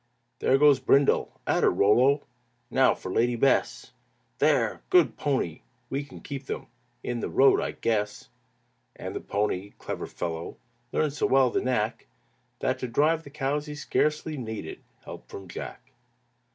"There goes Brindle! At her, Rollo! Now for Lady Bess! There! Good pony! We can keep them In the road, I guess!" And the pony, clever fellow, Learned so well the knack, That to drive the cows he scarcely Needed help from Jack.